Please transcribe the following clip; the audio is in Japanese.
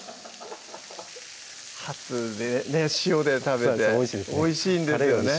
ハツでね塩で食べておいしいんですよね